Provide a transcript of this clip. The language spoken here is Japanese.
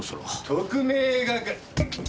特命係！